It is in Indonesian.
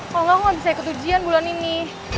kalau gak aku gak bisa ikut ujian bulan ini